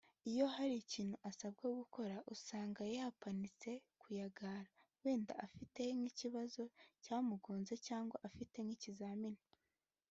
Iyo hari ikintu asabwa gukora usanga ya panitse (kuyagara) wenda afite nk’ikibazo cyamugonze cyangwa afite nk’ibizamini